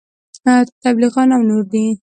تبلیغیان او نور دي.